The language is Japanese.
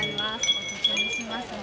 お包みしますね。